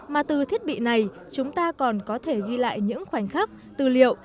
mà từ thiết bị này chúng ta còn có thể ghi lại những khoảnh khắc tư liệu